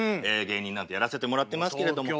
芸人なんてやらせてもらってますけれども。